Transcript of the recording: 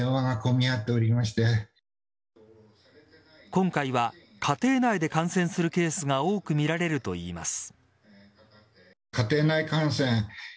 今回は家庭内で感染するケースが多く見られるといいます。